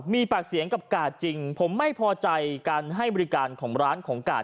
มีปากเสียงกับกาดจริงผมไม่พอใจการให้บริการของร้านของกาด